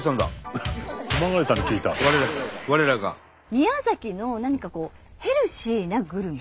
宮崎の何かこうヘルシーなグルメ。